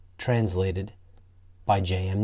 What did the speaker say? Translated by J. M.